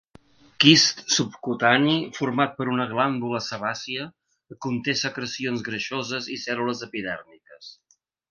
Quist subcutani format per una glàndula sebàcia que conté secrecions greixoses i cèl·lules epidèrmiques.